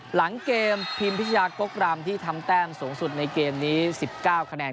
หลังเกมพิมพิชยากกรำที่ทำแต้มสูงสุดในเกมนี้๑๙คะแนน